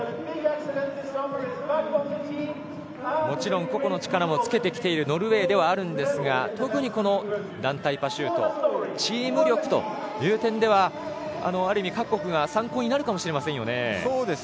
もちろん個々の力もつけてきているノルウェーではあるんですが特にこの団体パシュートチーム力という点ではある意味、各国の参考になるかもしれませんよね。